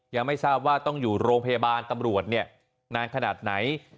ยังไม่ทราบว่าต้องอยู่โรงพยาบาลตำรวจนานขนาดไหน